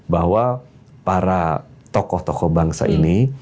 bahwa para tokoh tokoh bangsa ini